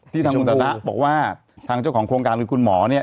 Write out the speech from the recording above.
ที่ทางภูมิศาสตร์นะบอกว่าทางเจ้าของโครงการคือคุณหมอเนี้ย